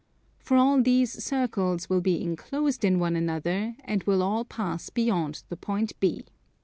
For all these circles will be enclosed in one another and will all pass beyond the point B.